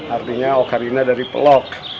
artinya ocarina dari pelok